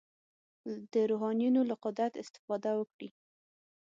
د روحانیونو له قدرت استفاده وکړي.